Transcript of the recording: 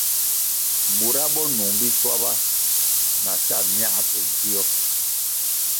Bura bo nung biswaba na sa myā pe dzio.